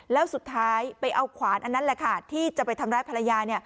แล้วสุดท้ายไปเอาขวานอันนั้นแหละค่ะที่จะไปทำร้ายภรรยา